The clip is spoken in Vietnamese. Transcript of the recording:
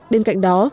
bên cạnh đó